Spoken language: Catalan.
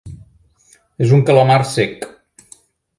És un calamar cec.